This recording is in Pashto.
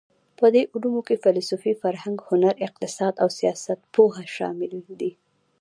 په دې علومو کې فېلسوفي، فرهنګ، هنر، اقتصاد او سیاستپوهه شامل دي.